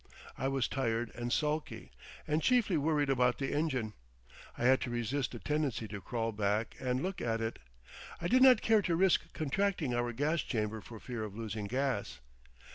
I was tired and sulky, and chiefly worried about the engine. I had to resist a tendency to crawl back and look at it. I did not care to risk contracting our gas chamber for fear of losing gas.